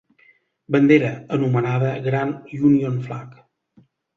Bandera, anomenada Grand Union Flag.